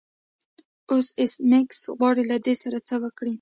او ایس میکس غواړي له دې سره څه وکړي